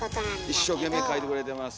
一生懸命書いてくれてます。